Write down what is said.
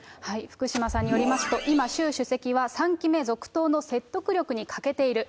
福島さんによりますと、今、習主席は３期目続投の説得力に欠けている。